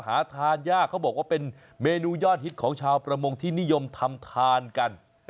หาทานยากเขาบอกว่าเป็นเมนูยอดฮิตของชาวประมงที่นิยมทำทานกัน